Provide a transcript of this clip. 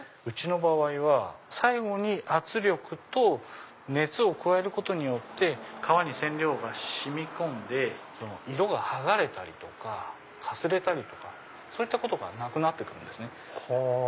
うちの場合は最後に圧力と熱を加えることによって革に染料が染み込んで色が剥がれたりとかかすれたりとかそういったことがなくなって来るんですね。